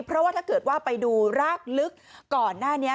เพราะว่าถ้าเกิดว่าไปดูรากลึกก่อนหน้านี้